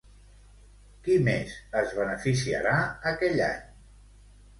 Qui més es beneficiarà aquell any?